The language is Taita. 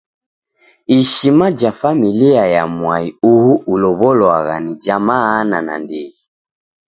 Ishima ja familia ya mwai uhu ulow'olwagha ni ja mana nandighi.